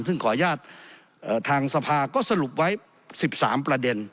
ซึ่งขออนุญาตทางสภาก็สรุปไว้๑๓ประเด็น